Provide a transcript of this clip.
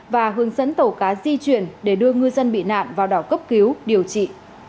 và hướng dẫn tàu cá di chuyển để đưa ngư dân bị nạn vào đảo cấp cứu điều trị